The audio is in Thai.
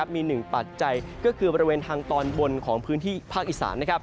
มีหนึ่งปัจจัยก็คือบริเวณทางตอนบนของพื้นที่ภาคอีสาน